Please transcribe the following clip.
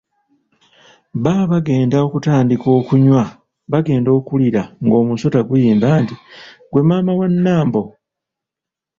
Baba bagenda okutandika okunywa bagenda okuwulira ng’omusota guyimba nti, “gwe maama wa Nambo?"